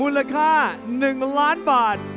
มูลค่า๑ล้านบาท